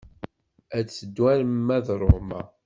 Ad teddu arma d Roma.